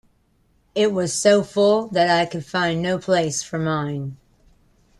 It was so full that I could find no place for mine.